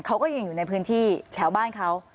เขาก็ยังอยู่ในพื้นที่แถวบ้านเขา